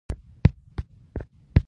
• د عقربو حرکت د ژوند سفر دی.